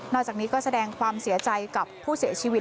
จากนี้ก็แสดงความเสียใจกับผู้เสียชีวิต